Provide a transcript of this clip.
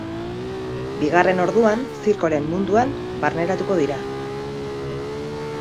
Bigarren orduan zirkoaren munduan barneratuko dira.